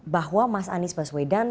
bahwa mas anies baswedan